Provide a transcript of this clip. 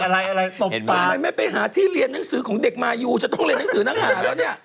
อะไรอะไรตบตายไม่ไปหาที่เรียนหนังสือของเด็กมายูจะต้องเรียนหนังสือหนังหาแล้วเนี่ย